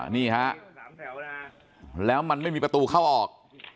นี่ฮะแล้วมันไม่มีประตูเข้าออก